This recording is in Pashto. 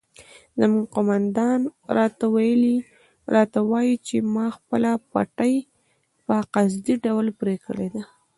زموږ قومندان راته وایي چې ما خپله پټۍ په قصدي ډول پرې کړې ده.